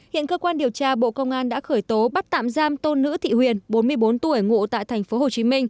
hiện cơ quan điều tra bộ công an đã khởi tố bắt tạm giam tôn nữ thị huyền bốn mươi bốn tuổi ngụ tại tp hcm